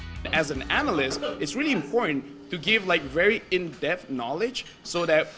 sebagai analis sangat penting untuk memberikan pengetahuan dalam dalam